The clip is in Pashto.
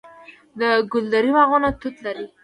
د ګلدرې باغونه توت لري.